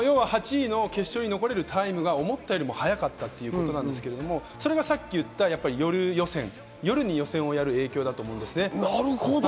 決勝に残れるタイムを思ったり速かったということですが、それがさっき言った、夜に予選をやる影響だと思いますね。